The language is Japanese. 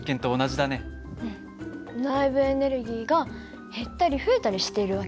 うん内部エネルギーが減ったり増えたりしている訳ね。